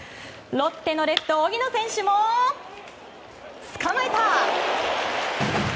ロッテのレフト、荻野選手もつかまえた！